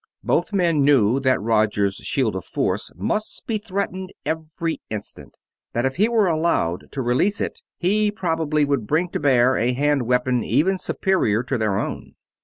Both men knew that Roger's shield of force must be threatened every instant that if he were allowed to release it he probably would bring to bear a hand weapon even superior to their own.